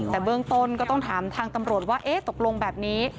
แต่เบื้องต้นก็ต้องถามทางตำรวจว่าเอ๊ะตกลงแบบนี้